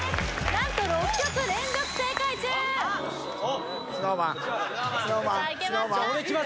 何と６曲連続正解中・おっＳｎｏｗＭａｎＳｎｏｗＭａｎＳｎｏｗＭａｎ